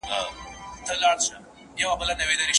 آیا ژوند تر مرګ خوږ دی؟